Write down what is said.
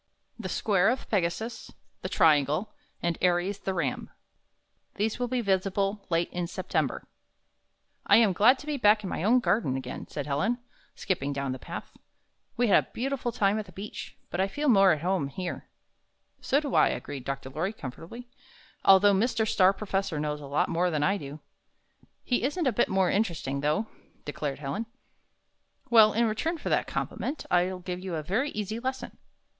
THE SQUARE OF PEGASUS, THE TRIANGLE, AND ARIES, THE RAM These will he visible late in September "1 am glad to be back in my own garden again," said Helen, skipping down the path. ''We had a beautiful time at the beach, but I feel more at home here." ''So do I," agreed Dr. Lorry, comfortably, "although Mr. Star Professor knows a lot more than I do." "He isn't a bit more interesting, though," declared Helen. "Well, in return for that compliment, I'll give you a yery easy lesson.